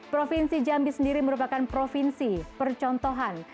provinsi jambi sendiri merupakan provinsi percontohan